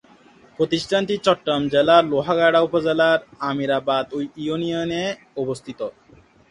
প্রতিষ্ঠানটি চট্টগ্রাম জেলার লোহাগাড়া উপজেলার আমিরাবাদ ইউনিয়নে অবস্থিত।